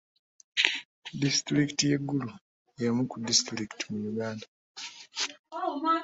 Disitulikiti y'e Gulu y'emu ku disitulikiti mu Uganda.